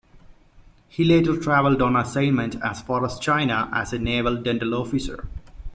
He later traveled on assignment as far as China as a naval dental officer.